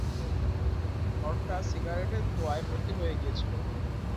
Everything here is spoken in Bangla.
ঘরটা সিগারেটের ধোঁয়ায় ভর্তি হয়ে গেছিল।